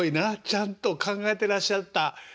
ちゃんと考えてらっしゃった。